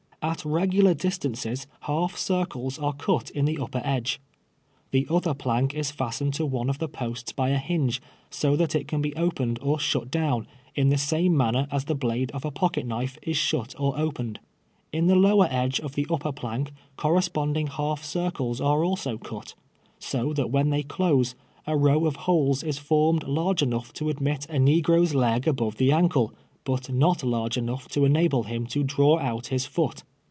At regular distances half circles are cut in the upper edge. The other plank is fas tened to one of the posts hj a hinge, so that it can be opened or shut down, in tlie same manner as the blade of a pocket knife is shut or opened. In the lower edge of the u]')por plank corresponding half circles are also cut, so that wlien they close, a row of holes is formed large enough to admit a negro's leg above the ankle, but not large enough to enable him to draw out his foot.